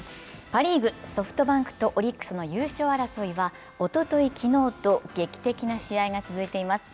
パ・リーグ、ソフトバンクとオリックスの優勝争いは、おととい、昨日と劇的な試合が続いています。